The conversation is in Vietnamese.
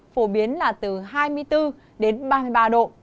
phổ biến là từ hai mươi bốn đến ba mươi ba độ